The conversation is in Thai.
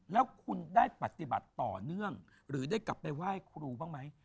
แล้วคุณได้ปฏิบัติต่อเนื่องหรือได้กลับไปไหว้ครูบ้างไหม